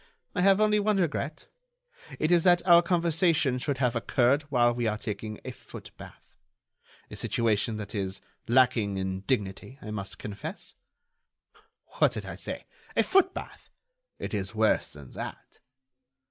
I have only one regret; it is that our conversation should have occurred while we are taking a foot bath ... a situation that is lacking in dignity, I must confess.... What did I say? A foot bath? It is worse than that."